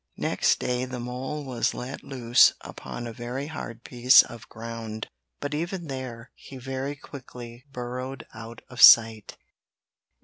Next day the mole was let loose upon a very hard piece of ground, but even there he very quickly burrowed out of sight.